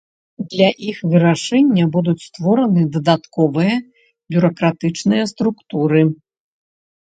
Для іх вырашэння будуць створаны дадатковыя бюракратычныя структуры.